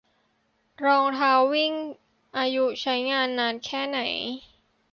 รองเท้าวิ่งอายุใช้งานนานแค่ไหน